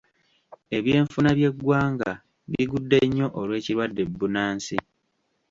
Ebyenfuna by'eggwanga bigudde nnyo olw'ekirwadde bunnansi.